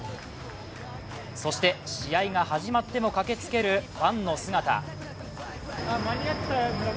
そして試合が始まっても駆けつけるファンの姿。